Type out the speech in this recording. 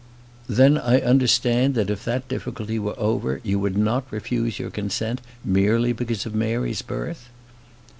"Then I understand, that if that difficulty were over, you would not refuse your consent merely because of Mary's birth?"